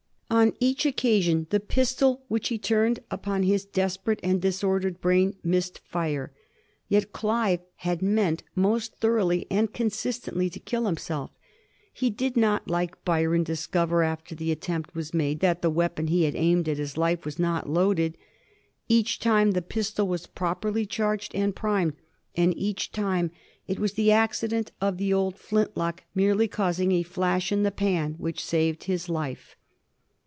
On each occasion the pistol which he turned upon his desperate and disordered brain missed fire. Yet Clive had meant most thoroughly and consistently to kill himself. He did not, like Byron, dis cover, after the attempt was made, that the weapon he had aimed at his life was not loaded. Each time the pistol was properly charged and primed, and each time it was the accident of the old flint lock merely causing a flash in the pan which saved his life.